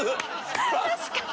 確かに。